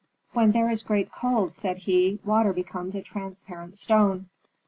"When there is great cold," said he, "water becomes a transparent stone."